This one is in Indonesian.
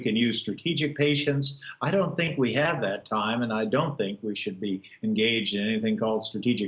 dan saya tidak pikir kita harus bergabung dengan apa apa yang disebut penyelenggara strategis